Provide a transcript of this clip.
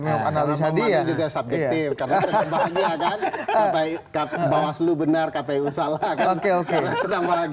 menurut saya juga subjektif karena bahwa dia akan baik bahwa selu benar kpu salah oke oke